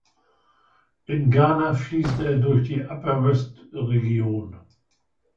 In Ghana fließt er durch die Upper West Region.